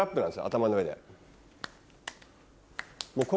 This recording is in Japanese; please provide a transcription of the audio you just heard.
頭の上で。